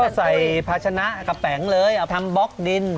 ใส่พาชนะกระแป๋งเลยเอาทำบล็อกดิน